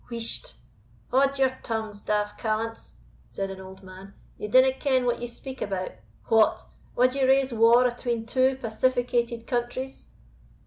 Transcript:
"Whisht! haud your tongues, daft callants," said an old man, "ye dinna ken what ye speak about. What! wad ye raise war atween two pacificated countries?"